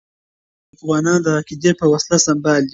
افغانان د عقیدې په وسله سمبال وو.